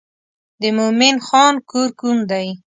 د مومن خان کور کوم دی.